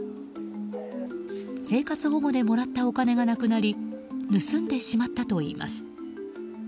生活保護でもらったお金がなくなり盗んでしまったといいます。